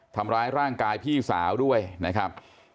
ทำร้ายร่างกายพี่สาวด้วยนะครับ